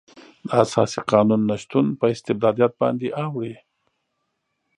د اساسي قانون نشتون په استبدادیت باندې اوړي.